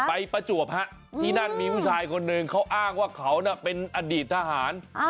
ประจวบฮะที่นั่นมีผู้ชายคนหนึ่งเขาอ้างว่าเขาเป็นอดีตทหาร